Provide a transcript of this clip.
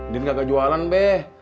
din kagak jualan beh